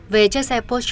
về chiếc xe porsche